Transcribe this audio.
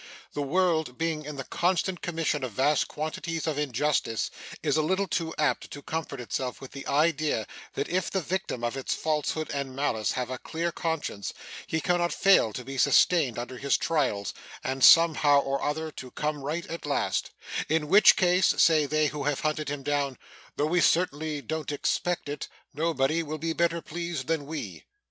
The world, being in the constant commission of vast quantities of injustice, is a little too apt to comfort itself with the idea that if the victim of its falsehood and malice have a clear conscience, he cannot fail to be sustained under his trials, and somehow or other to come right at last; 'in which case,' say they who have hunted him down, ' though we certainly don't expect it nobody will be better pleased than we.